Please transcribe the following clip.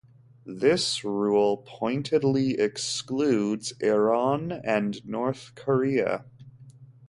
This rule pointedly excludes Iran and North Korea.